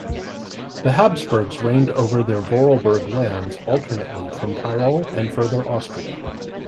The Habsburgs reigned over their Vorarlberg lands alternately from Tyrol and Further Austria.